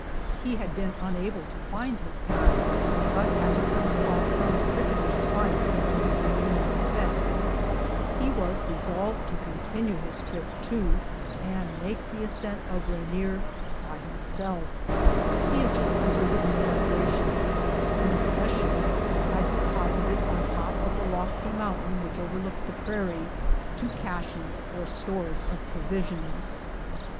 He had been unable to find his pack, but having come across some cricketer's spikes among his remaining effects, he was resolved to continue his trip to, and make the ascent of, Rainier by himself; he had just completed his 128 FIRST SUCCESSFUL ASCENT, 1870 preparations, and especially had deposited on top of the lofty mountain which overlooked the prairie two caches, or stores, of provisions.